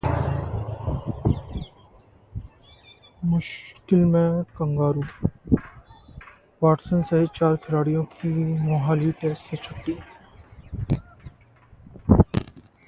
मुश्किल में kangaroo, Watson सहित चार खिलाड़ियों की मोहाली टेस्ट से छुट्टी